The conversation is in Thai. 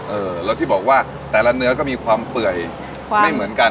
เออแล้วที่บอกว่าแต่ละเนื้อก็มีความเปื่อยไม่เหมือนกัน